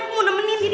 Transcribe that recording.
aku mau nemenin diri